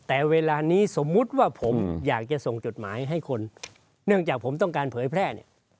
แต่เวลานี้สมมุติว่าผมอยากจะส่งจดหมายให้คนเนื่องจากผมต้องการเผยแพร่เนี่ย